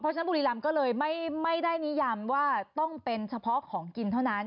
ฉะบุรีรำก็เลยไม่ได้นิยำว่าต้องเป็นเฉพาะของกินเท่านั้น